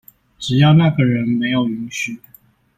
只要那個人沒有允許